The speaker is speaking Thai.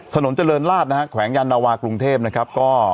ถนนเจริญราชนะฮะแขวงยานวากรุงเทพนะครับก็